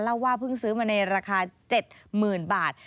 ว่าเพิ่งซื้อมาในราคา๗๐๐๐๐บาท